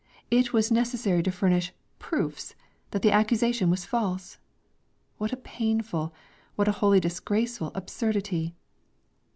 it was necessary to furnish proofs that the accusation was false. What a painful, what a wholly disgraceful absurdity!